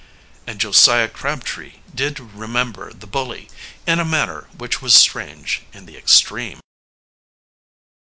And Josiah Crabtree did remember the bully in a manner which was strange in the extreme.